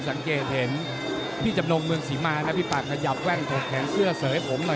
สังเกตเห็นพี่จำนงเมืองศรีมานะพี่ปากขยับแว่นถกแขนเสื้อเสยผมหน่อย